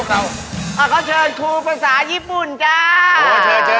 เขาเชิญครูภาษาญี่ปุ่นจ้า